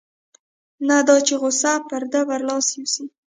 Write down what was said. نه دا چې غوسه پر ده برلاسې اوسي.